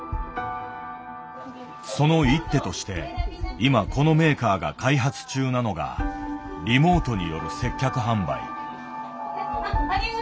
その一手として今このメーカーが開発中なのがリモートによる接客販売。